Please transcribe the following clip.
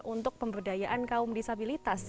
untuk pemberdayaan kaum disabilitas